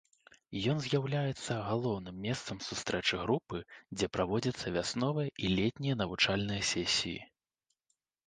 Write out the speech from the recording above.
Ён з'яўляецца галоўным месцам сустрэчы групы, дзе праводзяцца вясновыя і летнія навучальныя сесіі.